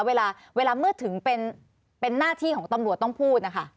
เวลาเมื่อถึงเป็นหน้าที่ของตำรวจต้องพูดนะคะ